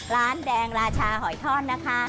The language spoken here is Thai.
ร้านแดงราชาหอยท่อนนะคะ